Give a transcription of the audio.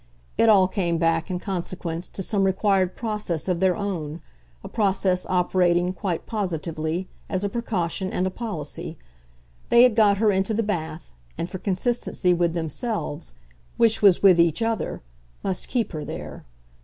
It all came back, in consequence, to some required process of their own, a process operating, quite positively, as a precaution and a policy. They had got her into the bath and, for consistency with themselves which was with each other must keep her there.